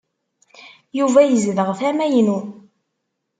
Yuba yezdeɣ tama-inu.